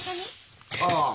ああ。